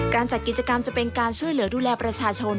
จัดกิจกรรมจะเป็นการช่วยเหลือดูแลประชาชน